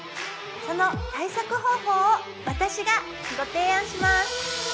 その対策方法を私がご提案します